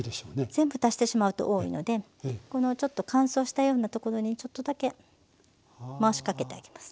全部足してしまうと多いのでこのちょっと乾燥したようなところにちょっとだけ回しかけてあげます。